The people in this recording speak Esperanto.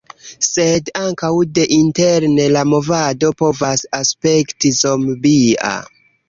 Sed ankaŭ deinterne la movado povas aspekti zombia.